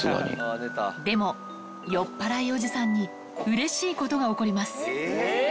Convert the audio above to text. でも、酔っ払いおじさんに、うれしいことが起こります。